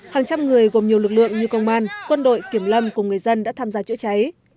hàng trăm người gồm nhiều lực lượng như công an quân đội kiểm lâm cùng người dân đã tham gia chữa cháy